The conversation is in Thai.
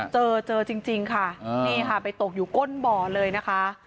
เจอจริงค่ะไปตกอยู่ก้นบ่อเลยนะคะ